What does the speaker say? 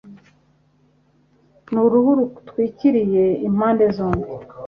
n'uruhu rutwikiriye impande zombi,